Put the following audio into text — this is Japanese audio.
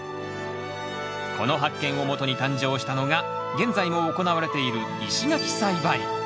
この発見をもとに誕生したのが現在も行われている石垣栽培。